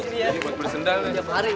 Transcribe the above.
pak ustad baik makasih